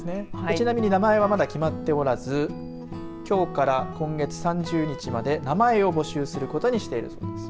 ちなみに名前はまだ決まっておらずきょうから今月３０日まで名前を募集することにしているそうです。